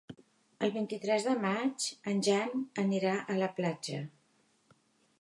El vint-i-tres de maig en Jan anirà a la platja.